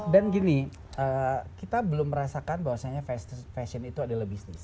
dan gini kita belum merasakan bahwasanya fashion itu adalah bisnis